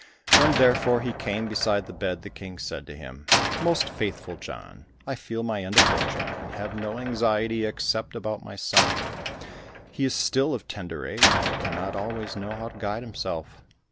When therefore he came beside the bed, the King said to him, "Most faithful John, I feel my end approaching, and have no anxiety except about my son. He is still of tender age, and cannot always know how to guide himself.